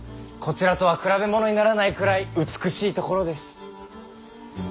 こちらとは比べ物にならないくらい美しい所です。